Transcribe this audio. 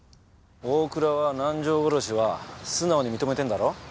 大倉は南条殺しは素直に認めてんだろ？